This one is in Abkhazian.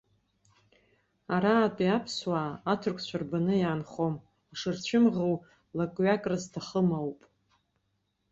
Аратәи аԥсуаа аҭырқәцәа рбаны иаанхом, ишырцәымӷыу лакҩакра зҭахым ауп.